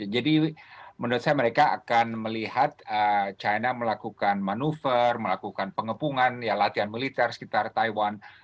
jadi menurut saya mereka akan melihat china melakukan manuver melakukan pengepungan latihan militer sekitar taiwan